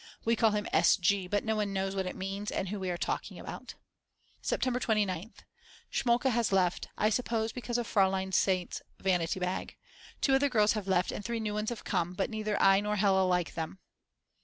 we call him S. G., but no one knows what it means and who we are talking about. September 29th. Schmolka has left, I suppose because of Frl. St.'s vanity bag. Two other girls have left and three new one's have come, but neither I nor Hella like them.